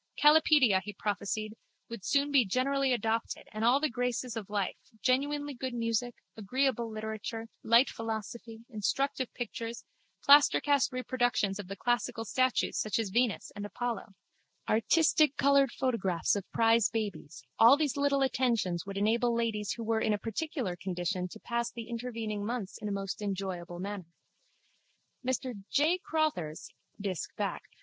Kalipedia, he prophesied, would soon be generally adopted and all the graces of life, genuinely good music, agreeable literature, light philosophy, instructive pictures, plastercast reproductions of the classical statues such as Venus and Apollo, artistic coloured photographs of prize babies, all these little attentions would enable ladies who were in a particular condition to pass the intervening months in a most enjoyable manner. Mr J. Crotthers (Disc. Bacc.)